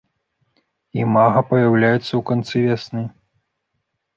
Імага паяўляюцца ў канцы вясны.